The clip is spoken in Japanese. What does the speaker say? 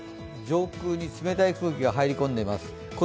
上空に冷たい空気が入り込んでいます